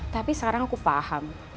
tapi sekarang aku paham